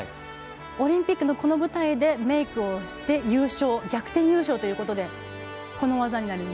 オリンピックのこの舞台でメイクをして逆転優勝ということで。